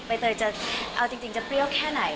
เตยจะเอาจริงจะเปรี้ยวแค่ไหน